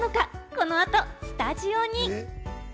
この後、スタジオに。